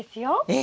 え！